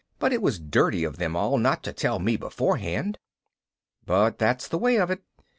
But it was dirty of them all not to tell me beforehand._ But that's the way it is.